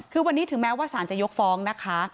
คือวันนี้ถึงแม้ว่าสารจะยกฟ้องนะคะ